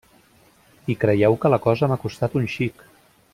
I creieu que la cosa m'ha costat un xic…